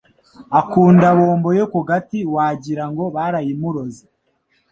Akunda bombo yo kugati wajyirango barayimuroze